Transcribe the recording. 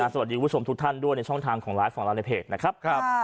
สวัสดีคุณผู้ชมทุกท่านด้วยในช่องทางของไลฟ์สำหรับในเพจนะครับ